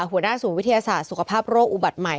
หัวหน้าศูนย์วิทยาศาสตร์สุขภาพโรคอุบัติใหม่